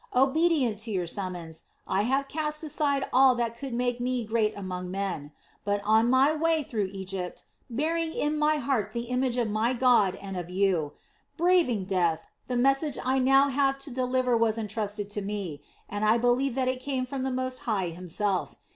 Obedient to your summons, I have cast aside all that could make me great among men; but on my way through Egypt, bearing in my heart the image of my God and of you, braving death, the message I now have to deliver was entrusted to me, and I believe that it came from the Most High Himself.